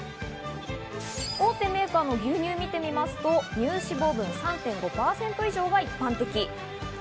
大手メーカーの牛乳を見てみますと、乳脂肪分３．５％以上が一般的。